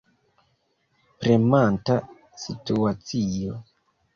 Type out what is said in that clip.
Premanta situacio.